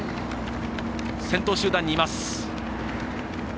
先頭集団にいます。